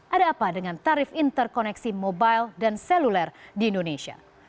ada apa dengan tarif interkoneksi mobile dan seluler di indonesia